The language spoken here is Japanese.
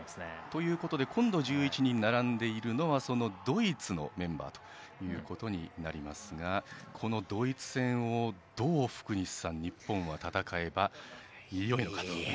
ということで今度１１人並んでいるのはそのドイツのメンバーとなりますがこのドイツ戦を日本はどう戦えばよいのか。